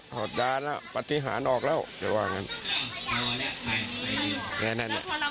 ทำไมเห็นรูปเราขนลูกเลยนะ